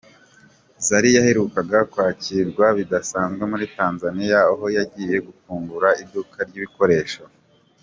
Zari yaherukaga kwakirwa bidasanzwe muri Tanzania aho yagiye gufungura iduka ry’ibikoresho.